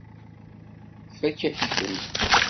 Tfakk-ak-ten.